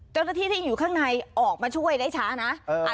เจ้าหน้าที่ที่อยู่ข้างในออกมาช่วยได้ช้านะ